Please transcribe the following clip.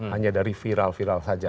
hanya dari viral viral saja